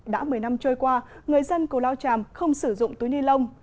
đã một mươi năm trôi qua người dân cù lao tràm không sử dụng túi ni lông